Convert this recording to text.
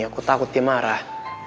aku takut dia marah